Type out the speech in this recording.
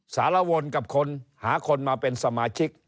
สารวนกับคนหาคนมาเป็นสมาชิก